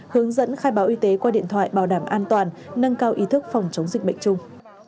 hướng dẫn khai báo y tế qua điện thoại bảo đảm an toàn nâng cao ý thức phòng chống dịch bệnh chung